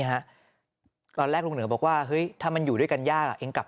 ครับก่อนแรกลูกเหนือบอกว่าเฮ้ยถ้ามันอยู่ด้วยกันยากเอ็งกลับ